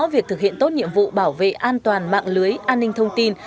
việc thực hiện tốt nhiệm vụ bảo vệ an toàn mạng lưới an ninh thông tin